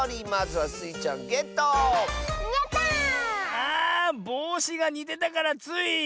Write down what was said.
あぼうしがにてたからつい。